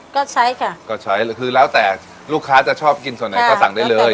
ก็ใช้ค่ะก็ใช้คือแล้วแต่ลูกค้าจะชอบกินส่วนไหนก็สั่งได้เลย